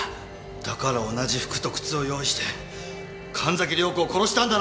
だから同じ服と靴を用意して神崎涼子を殺したんだな！